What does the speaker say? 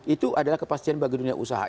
itu adalah kepastian bagi dunia usaha